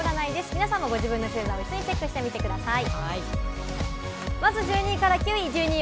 皆さんもご自分の星座を一緒にチェックしてみてください。